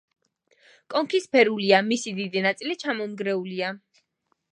კონქი სფერულია, მისი დიდი ნაწილი ჩამონგრეულია.